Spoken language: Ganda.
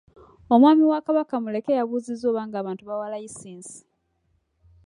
Omwami wa Kabaka Muleke yabuuzizza oba nga abantu bawa layisinsi.